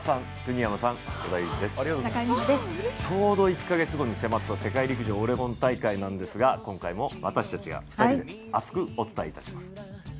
ちょうど１カ月後に迫った世界陸上オレゴン大会なんですが今回も私たちが２人で熱くお伝えいたします。